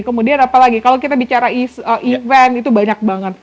kemudian apalagi kalau kita bicara event itu banyak banget